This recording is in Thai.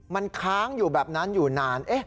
มันค้างอยู่แบบนั้นอยู่นาน